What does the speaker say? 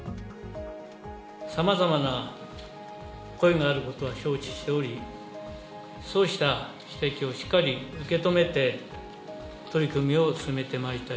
さまざまな声があることは承知しており、そうした指摘をしっかり受け止めて、取り組みを進めてまいりたい。